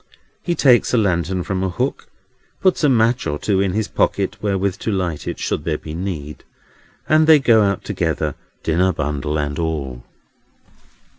He takes a lantern from a hook, puts a match or two in his pocket wherewith to light it, should there be need; and they go out together, dinner bundle and all.